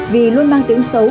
vì luôn mang tiếng xấu